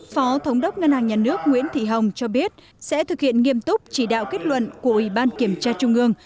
phó thống đốc ngân hàng nhà nước nguyễn thị hồng cho biết sẽ thực hiện nghiêm túc chỉ đạo kết luận của ủy ban kiểm tra trung ương